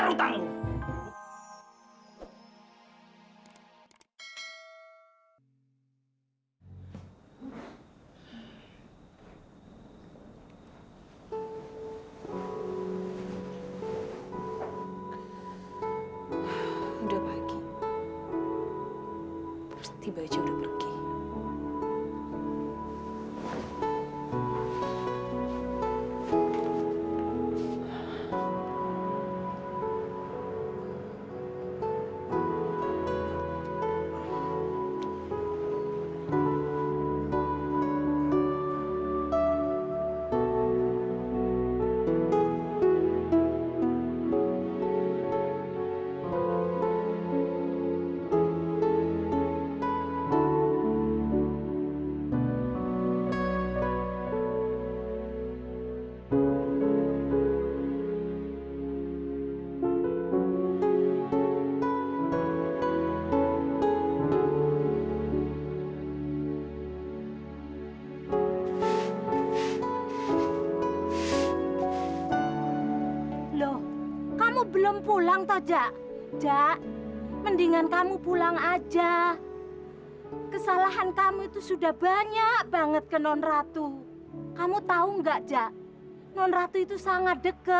sampai jumpa di video selanjutnya